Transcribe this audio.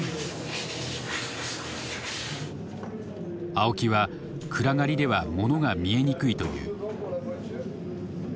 青木は暗がりではものが見えにくいという。